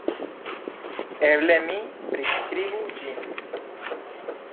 Eble mi priskribu ĝin.